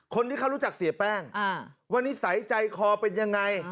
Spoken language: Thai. คนที่เขารู้จักเสียแป้งว่านิสัยใจคอเป็นยังไง